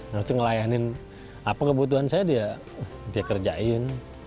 harusnya ngelayanin apa kebutuhan saya dia kerjain